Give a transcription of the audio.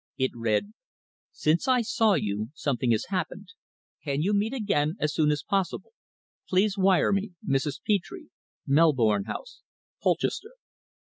It read: "Since I saw you something has happened. Can you meet me again as soon as possible? Please wire me, Mrs. Petre, Melbourne House, Colchester."